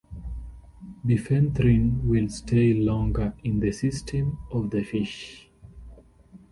Bifenthrin will stay longer in the system of the fish.